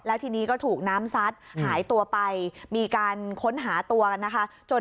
แล้วทีนี้ก็ถูกน้ำซัดหายตัวไปมีการค้นหาตัวกันนะคะ